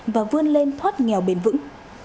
và vươn lên thoát nghèo bền vững